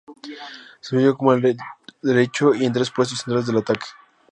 Se desempeñó como alero derecho y en tres puestos centrales de ataque.